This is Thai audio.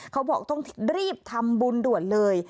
เขาบอกต้องรีบทำบุญด่วนเลย